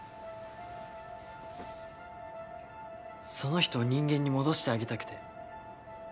その人を人間に戻してあげたくて。